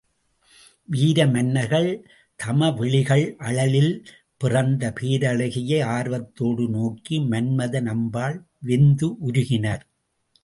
வீர மன்னர்கள் தம விழிகளால் அழலில் பிறந்த பேரழகியை ஆர்வத்தோடு நோக்கி மன்மதன் அம்பால் வெந்து உருகினர்.